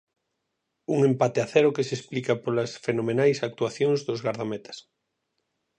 Un empate a cero que se explica polas fenomenais actuacións dos gardametas.